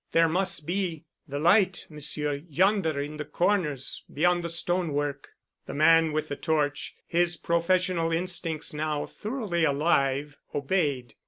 There must be. The light, Monsieur—yonder, in the corners beyond the stone work——" The man with the torch, his professional instincts now thoroughly alive, obeyed.